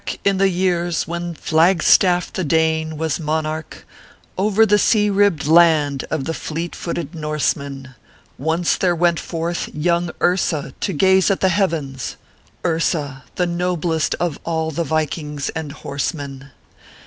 Back in tho years when Phlagstaff, the Dane, was monarch Over the sea ribbed land of the fleet footed Norsemen, Once there went forth young Ursa to gaze at the heavens Ursa, tho noblest of all the Vikings and horsemen.